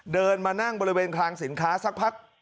เดินมานั่งบริเวณคลังสินค้าสักพัก